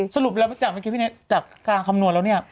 สรุปแล้วแต่แกะตรงนี้เนี่ยจากการคำนวณแล้วเนี่ย